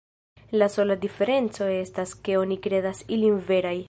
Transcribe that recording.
La sola diferenco estas, ke oni kredas ilin veraj.